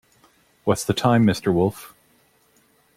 What's the time, Mr Wolf?